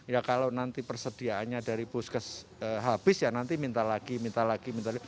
ya kalau nanti persediaannya dari puskes habis ya nanti minta lagi minta lagi minta lagi